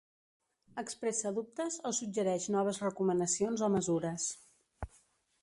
Expressa dubtes o suggereix noves recomanacions o mesures.